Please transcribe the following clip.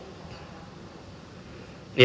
yang kemudian juga